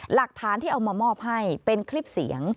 หลักฐานที่เอามามอบให้เป็นคลิปเสียง